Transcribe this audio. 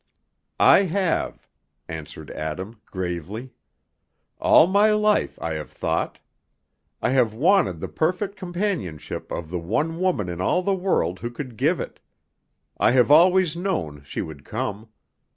"I have," answered Adam, gravely. "All my life I have thought. I have wanted the perfect companionship of the one woman in all the world who could give it; I have always known she would come.